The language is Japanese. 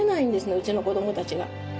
うちの子どもたちが。